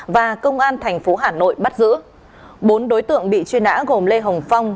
và công an thành phố hà nội bắt giữ bốn đối tượng bị chuyên đã gồm lê hồng phong